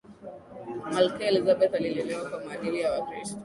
malkia elizabeth alilelewa kwa maadili ya kikristo